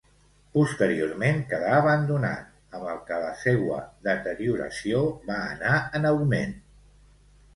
Posteriorment quedà abandonat, amb el que la seua deterioració va anar en augment.